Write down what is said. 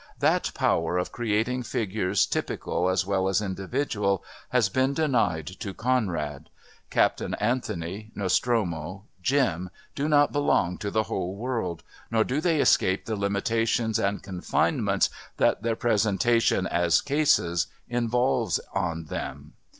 That power of creating figures typical as well as individual has been denied to Conrad. Captain Anthony, Nostromo, Jim do not belong to the whole world, nor do they escape the limitations and confinements that their presentation as "cases" involves on them.